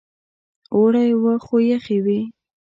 اوړی و خو یخې وې.